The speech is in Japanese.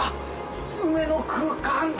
夢の空間だ！